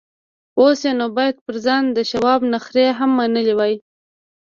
اوس يې نو بايد پر ځان د شواب نخرې هم منلې وای.